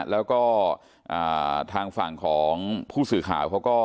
แล้วก็ทางฝั่งของผู้สื่อข่าวเขาก็